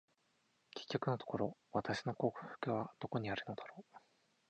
結局のところ、私の幸福はどこにあるのだろう。